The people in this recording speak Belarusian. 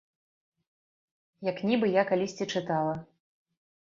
Як нібы я калісьці чытала.